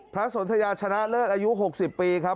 สนทยาชนะเลิศอายุ๖๐ปีครับ